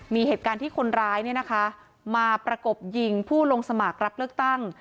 มีเหตุการณ์ที่คนร้ายมาประกบยิงผู้ลงสมัครรับเลือกตั้ง